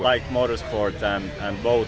saya mencoba motor sport dan pesawat